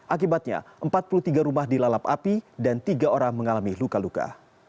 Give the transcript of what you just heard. akibatnya empat puluh tiga rumah dilalap api dan tiga orang mengalami luka luka